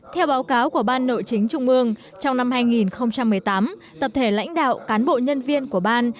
theo báo cáo của ban nội chính trung ương trong năm hai nghìn một mươi tám tập thể lãnh đạo cán bộ nhân viên của ban